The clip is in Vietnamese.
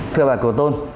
thưa bà cửu tôn